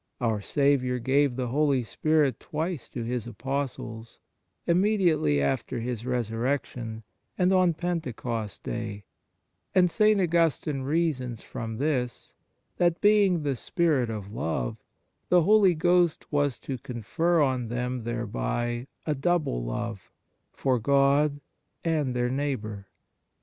Our Saviour gave the Holy Spirit twice to His Apostles: immediately after His Resurrection, and on Pentecost Day; and St. Augustine reasons from this that, being the Spirit of Love, the Holy Ghost was to confer on them thereby a double love for God and their neighbour.